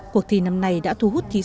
cuộc thi năm nay đã thu hút thí sinh